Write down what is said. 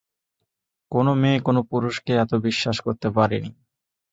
কোনো মেয়ে কোনো পুরুষকে এত বিশ্বাস করতে পারে নি।